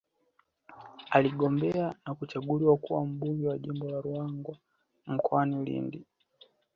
Aligombea na kuchaguliwa kuwa Mbunge wa Jimbo la Ruangwa mkoani Lindi